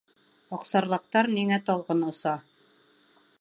«Аҡсарлаҡтар ниңә талғын оса».